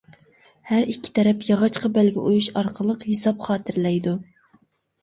ھەر ئىككى تەرەپ ياغاچقا بەلگە ئويۇش ئارقىلىق ھېساب خاتىرىلەيدۇ.